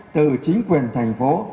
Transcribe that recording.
từ chính quyền thành phố